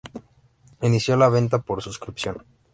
Inició la venta por suscripción.